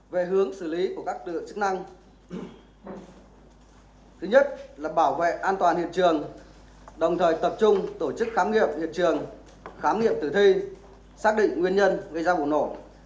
về hướng xử lý của các thứ nhất là bảo vệ an toàn hiện trường đồng thời tập trung tổ chức khám nghiệm hiện trường khám nghiệm tử thi xác định nguyên nhân gây ra vụ nổ